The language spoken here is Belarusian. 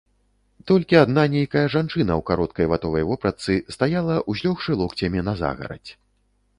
Толькі адна нейкая жанчына ў кароткай ватовай вопратцы стаяла, узлёгшы локцямі на загарадзь.